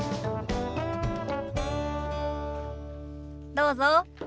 どうぞ。